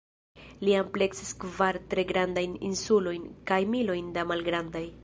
Ili ampleksas kvar tre grandajn insulojn, kaj milojn da malgrandaj.